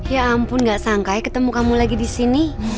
ya ampun gak sangka ketemu kamu lagi disini